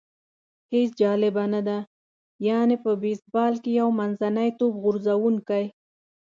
هېڅ جالبه نه ده، یعنې په بېسبال کې یو منځنی توپ غورځوونکی.